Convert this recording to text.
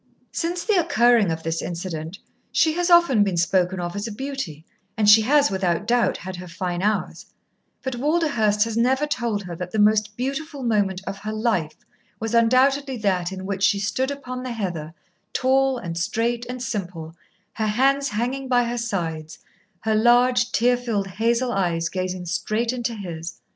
Since the occurring of this incident, she has often been spoken of as a beauty, and she has, without doubt, had her fine hours; but Walderhurst has never told her that the most beautiful moment of her life was undoubtedly that in which she stood upon the heather, tall and straight and simple, her hands hanging by her sides, her large, tear filled hazel eyes gazing straight into his.